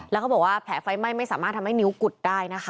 แล้วเขาบอกว่าแผลไฟไหม้ไม่สามารถทำให้นิ้วกุดได้นะคะ